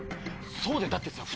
そうだよだってさ。